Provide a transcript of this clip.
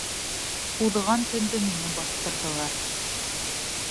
— Уҙған төндө мине баҫтырҙылар...